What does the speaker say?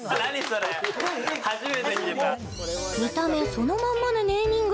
見た目そのまんまなネーミング